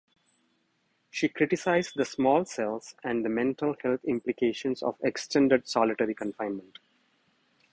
She criticized the small cells and the mental health implications of extended solitary confinement.